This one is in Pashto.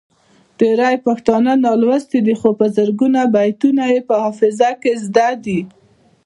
ډیری پښتانه نالوستي دي خو په زرګونو بیتونه یې په حافظه کې زده دي.